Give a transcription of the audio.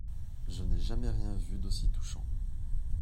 Je n'ai jamais rien vu d'aussi touchant.